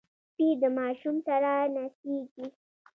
سپي د ماشوم سره نڅېږي.